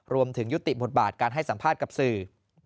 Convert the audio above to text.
รวมถึงยุติบทบาทการให้สัมภาษณ์กับสื่อ